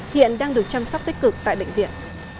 hiện đang được chăm sóc tích cực tại bệnh viện